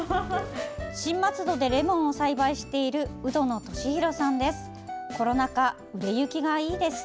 新松戸でレモンを栽培している鵜殿敏弘さんです。